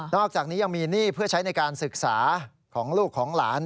อกจากนี้ยังมีหนี้เพื่อใช้ในการศึกษาของลูกของหลาน